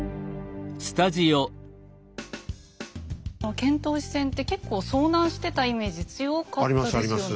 遣唐使船って結構遭難してたイメージ強かったですよね。